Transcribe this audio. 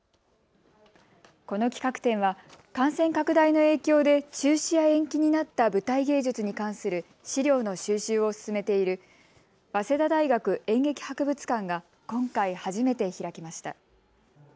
この企画展は感染拡大の影響で中止や延期になった舞台芸術に関する資料の収集を進めている早稲田大学演劇博物館が今回初めて開きました。